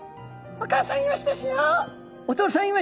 お父さんイワシですよっと。